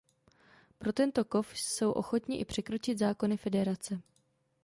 Pro tento kov jsou ochotni i překročit zákony Federace.